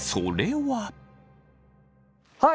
はい。